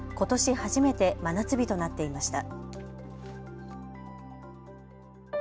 初めて真夏日となっていました。